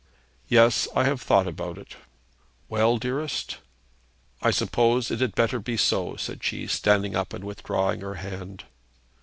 'Yes; I have thought about it.' 'Well, dearest?' 'I suppose it had better be so,' said she, standing up and withdrawing her hand.